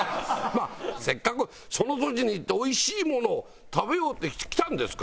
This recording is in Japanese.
せっかくその土地に行っておいしいものを食べようって来たんですから。